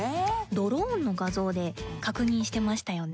ドローンの画像で確認してましたよね？